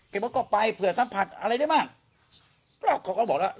เขาบอกก็ไปเผื่อสัมผัสอะไรได้มั้งแล้วเขาก็บอกแล้ว